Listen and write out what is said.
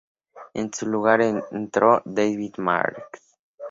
En su lugar entró David Marks.